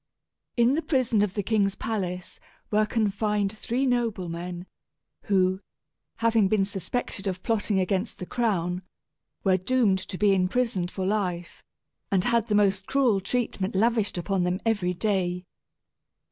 In the prison of the king's palace were confined three noblemen, who, having been suspected of plotting against the crown, were doomed to be imprisoned for life, and had the most cruel treatment lavished upon them every day.